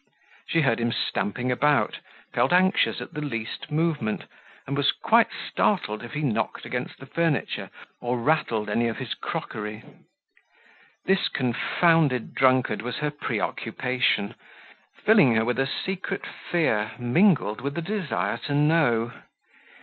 She heard him stamping about, felt anxious at the least movement, and was quite startled if he knocked against the furniture or rattled any of his crockery. This confounded drunkard was her preoccupation, filling her with a secret fear mingled with a desire to know.